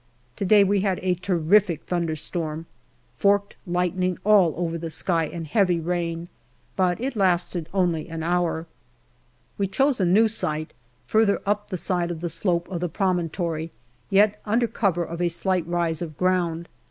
To day we had a terrific thunderstorm ; forked lightning all over the sky and heavy rain, but it lasted only an hour. We chose a new site further up the side of the slope of the promontory, yet under cover of a slight rise of ground.